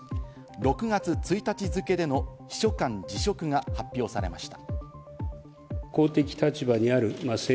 ６月１日付けでの秘書官辞職が発表されました。